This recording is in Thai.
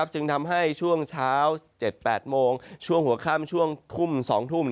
จึงทำให้ช่วงเช้า๗๘โมงช่วงหัวค่ำช่วงทุ่ม๒ทุ่ม